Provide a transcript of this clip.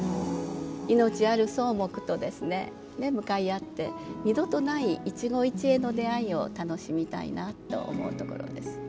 命ある草木と向かい合って二度とない一期一会の出会いを楽しみたいなと思うところです。